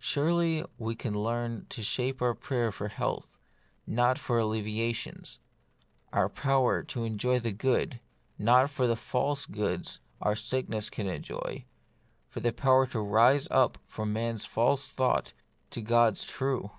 Surely we can learn to shape our prayer for health, not for alleviations ; for power to enjoy the good, not for the false goods our sickness can enjoy ; for power to rise up from man's false thought to God's true.